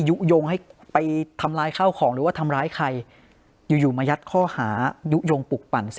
ยุโยงให้ไปทำร้ายข้าวของหรือว่าทำร้ายใครอยู่อยู่มายัดข้อหายุโยงปลูกปั่น